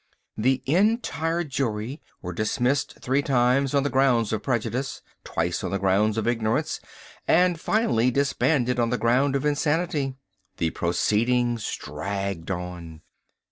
The entire jury were dismissed three times on the grounds of prejudice, twice on the ground of ignorance, and finally disbanded on the ground of insanity. The proceedings dragged on.